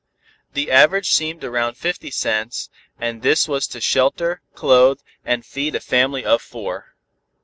The average seemed around fifty cents, and this was to shelter, clothe and feed a family of four.